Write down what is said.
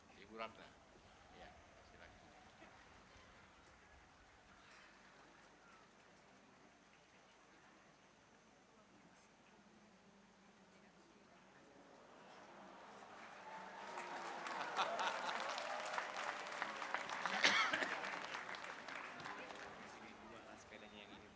silakan semua naik ke panggung